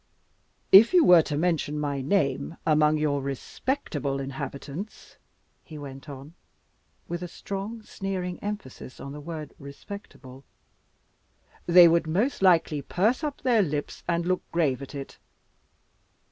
"If you were to mention my name among your respectable inhabitants," he went on, with a strong, sneering emphasis on the word respectable, "they would most likely purse up their lips and look grave at it.